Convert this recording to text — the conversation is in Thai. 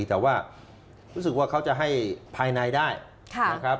แต่ว่ารู้สึกว่าเขาจะให้ภายในได้นะครับ